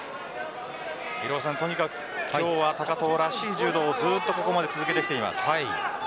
とにかく今日は高藤らしい柔道をずっとここまで続けてきています。